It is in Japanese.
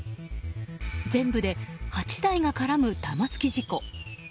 全部で８台が絡む玉突き事故。